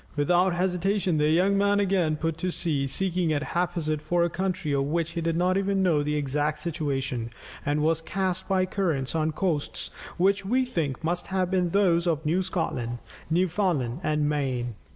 Without hesitation, the young man again put to sea, seeking at haphazard for a country of which he did not even know the exact situation, and was cast by currents on coasts which we think must have been those of New Scotland, Newfoundland, and Maine.